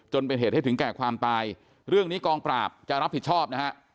เป็นเหตุให้ถึงแก่ความตายเรื่องนี้กองปราบจะรับผิดชอบนะฮะ